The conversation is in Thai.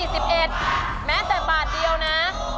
ท่า๔๑แม้แต่บาทเดียวนะ